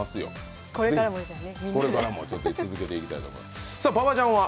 これからも続けていきたいと思います。